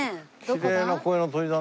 きれいな声の鳥だね。